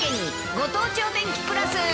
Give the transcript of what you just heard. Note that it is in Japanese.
ご当地お天気プラス。